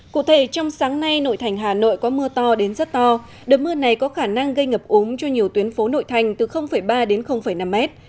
cụ thể trong sáng nay nội thành hà nội có mưa to đến rất to đợt mưa này có khả năng gây ngập úng cho nhiều tuyến phố nội thành từ ba đến năm mét